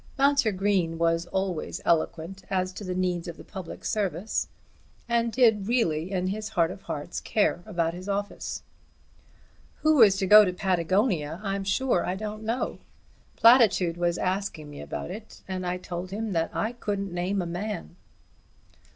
Mounser Green was always eloquent as to the needs of the public service, and did really in his heart of hearts care about his office. "Who is to go to Patagonia, I'm sure I don't know. Platitude was asking me about it, and I told him that I couldn't name a man."